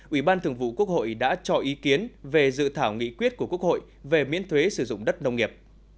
ủy ban thường vụ quốc hội đã cho ý kiến về dự thảo nghị quyết của quốc hội về miễn thuế sử dụng đất nông nghiệp